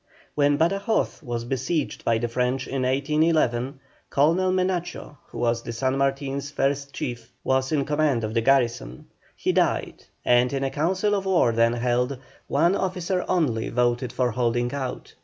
When Badajoz was besieged by the French in 1811, Colonel Menacho, who was San Martin's first chief, was in command of the garrison. He died, and in a council of war then held, one officer only voted for holding out.